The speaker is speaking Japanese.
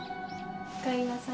おかえりなさい。